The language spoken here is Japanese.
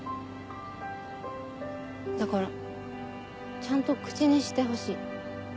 だからちゃんと口にしてほしい。